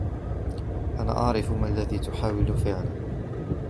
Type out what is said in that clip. أنا أعرف ما الذى تحاول فعله.